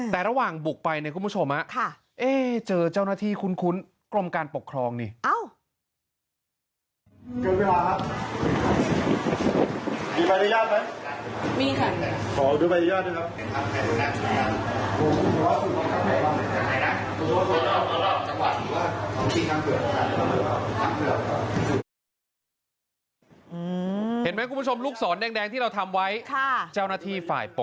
แต่ระหว่างบุกไปเนี่ยคุณผู้ชมเจอเจ้าหน้าที่คุ้นกรมการปกครองนี่